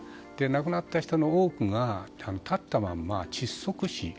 亡くなった人の多くが立ったまま窒息死。